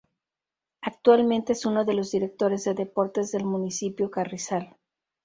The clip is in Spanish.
Actualmente es uno de los directores de deportes del municipio Carrizal